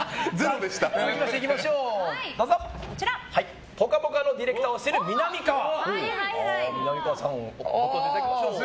続きまして、「ぽかぽか」のディレクターをしているみなみかわ。